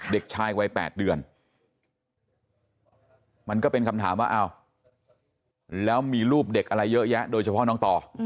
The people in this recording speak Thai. เด็กชายวัย๘เดือนมันก็เป็นคำถามว่าอ้าวแล้วมีรูปเด็กอะไรเยอะแยะโดยเฉพาะน้องต่อ